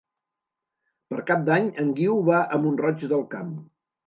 Per Cap d'Any en Guiu va a Mont-roig del Camp.